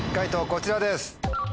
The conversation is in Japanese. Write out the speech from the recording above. こちらです。